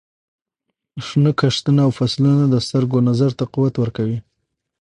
شنه کښتونه او فصلونه د سترګو نظر ته قوت ورکوي.